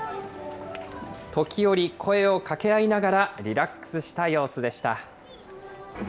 時折、声をかけ合いながらリラックスした様子でした。